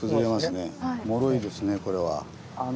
もろいですねこれは。